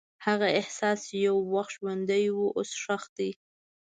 هغه احساس چې یو وخت ژوندی و، اوس ښخ دی.